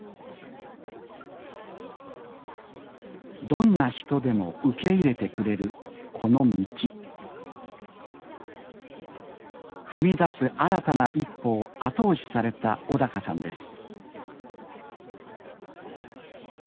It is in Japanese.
どんな人でも受け入れてくれるこの道踏み出す新たな一歩を後押しされた小さんです